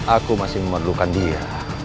aku masih memerlukan dia